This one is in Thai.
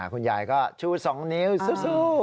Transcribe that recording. คุณยายก็ชู้สองนิ้วสู้สู้